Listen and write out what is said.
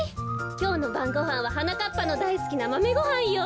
きょうのばんごはんははなかっぱのだいすきなマメごはんよ。